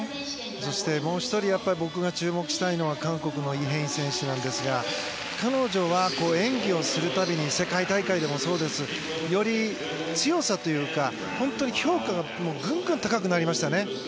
そして、もう１人僕が注目したいのは韓国のイ・ヘイン選手なんですが彼女は演技をするたびに世界大会でもそうですがより強さというか評価がグングン高くなりました。